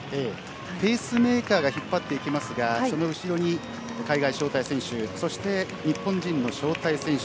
ペースメーカーが引っ張っていきますがその後ろに海外招待選手そして日本人の招待選手